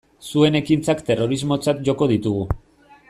Zuen ekintzak terrorismotzat joko ditugu.